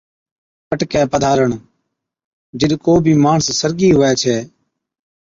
پٽڪَي پڌارڻ، جِڏ ڪو بِي ماڻس سرگِي ھُوَي ڇَي